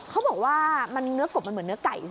เขาบอกว่าเนื้อกบมันเหมือนเนื้อไก่สิ